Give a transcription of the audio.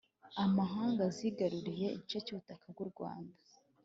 amahanga zigaruriye igice cy'ubutaka bw'u rwanda